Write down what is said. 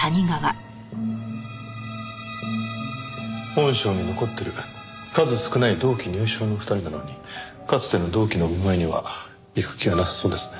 本省に残ってる数少ない同期入省の２人なのにかつての同期のお見舞いには行く気はなさそうですね。